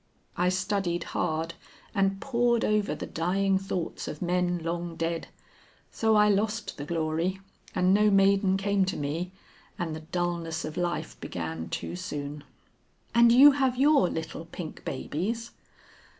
I studied hard and pored over the dying thoughts of men long dead. So I lost the glory, and no maiden came to me, and the dulness of life began too soon." "And you have your little pink babies?"